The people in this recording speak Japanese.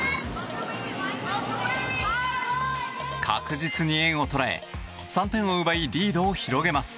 確実に円を捉え３点を奪いリードを広げます。